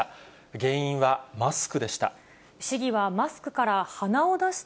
原因はマスクでした。